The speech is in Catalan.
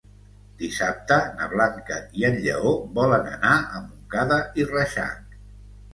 Dissabte na Blanca i en Lleó volen anar a Montcada i Reixac.